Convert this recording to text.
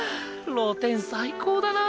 露天最高だな！